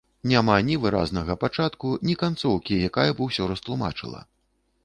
Няма ні выразнага пачатку, ні канцоўкі, якая б усё растлумачыла.